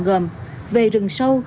gồm về rừng sâu